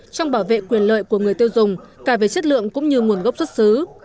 trong bảo vệ quyền lợi của người tiêu dùng cả về chất lượng cũng như nguồn gốc xuất xứ